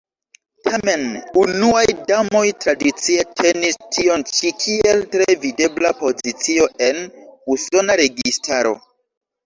Tamen, unuaj damoj tradicie tenis tion ĉi kiel tre videbla pozicio en Usona registaro.